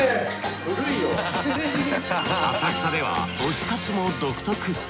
浅草では推し活も独特。